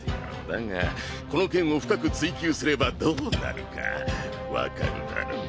だがこの件を深く追究すればどうなるか分かるだろう？